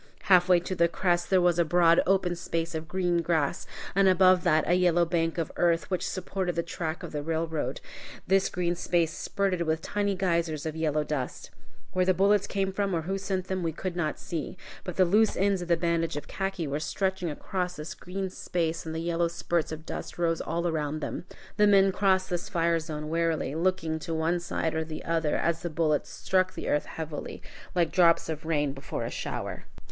Halfway to the crest there was a broad open space of green grass, and above that a yellow bank of earth, which supported the track of the railroad. This green space spurted with tiny geysers of yellow dust. Where the bullets came from or who sent them we could not see. But the loose ends of the bandage of khaki were stretching across this green space and the yellow spurts of dust rose all around them. The men crossed this fire zone warily, looking to one side or the other, as the bullets struck the earth heavily, like drops of rain before a shower.